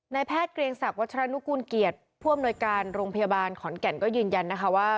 แพทย์เกรียงศักดิวัชรนุกูลเกียรติผู้อำนวยการโรงพยาบาลขอนแก่นก็ยืนยันนะคะว่า